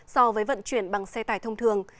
so với vận chuyển bằng xe tải thông thường